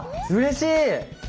うれしい！